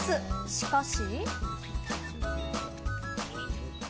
しかし。